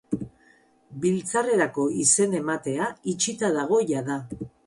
Biltzarrerako izen-ematea itxita dago jada.